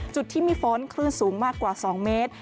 จุดที่มีฝนคลื่นสูงมากกว่า๒เมตร